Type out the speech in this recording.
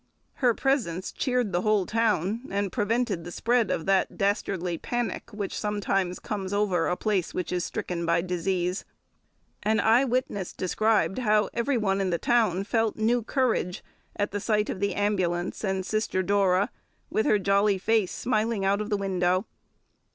Her presence cheered the whole town, and prevented the spread of that dastardly panic which sometimes comes over a place which is stricken by disease. An eye witness described how every one in the town felt new courage at the sight of the ambulance and Sister Dora, "with her jolly face smiling out of the window."